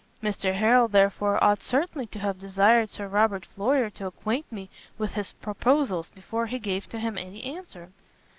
Mr Harrel, therefore, ought certainly to have desired Sir Robert Floyer to acquaint me with his proposals before he gave to him any answer."